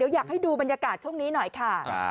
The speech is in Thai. อยากให้ดูบรรยากาศช่วงนี้หน่อยค่ะ